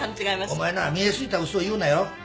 お前な見え透いた嘘言うなよ。